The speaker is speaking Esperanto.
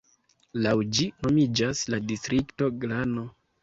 Laŭ ĝi nomiĝas la distrikto Glano.